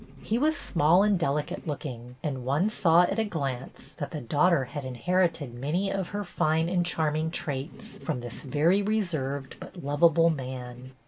He was small and delicate looking, and one saw at a glance that the daughter had inherited many of her fine and charming traits from this very reserved but lovable man.